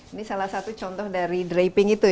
ini salah satu contoh dari draping itu ya